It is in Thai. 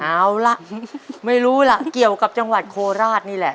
เอาล่ะไม่รู้ล่ะเกี่ยวกับจังหวัดโคราชนี่แหละ